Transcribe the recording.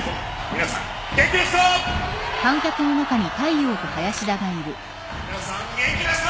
皆さん元気ですか！？